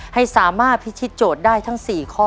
ให้สามารถพิธีโจทย์ได้ทั้ง๔ข้อ